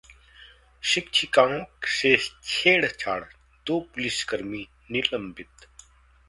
शिक्षिकाओं से छेड़छाड़, दो पुलिसकर्मी निलंबित